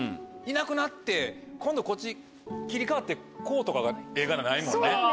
いなくなって今度こっち切り替わってこうとかが画がないもんね。